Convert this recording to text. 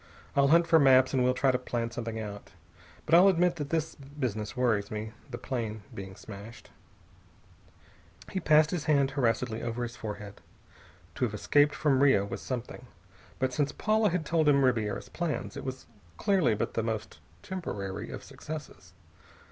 I'll hunt for maps and we'll try to plan something out. But I'll admit that this business worries me the plane being smashed." He passed his hand harassedly over his forehead. To have escaped from Rio was something, but since Paula had told him Ribiera's plans, it was clearly but the most temporary of successes.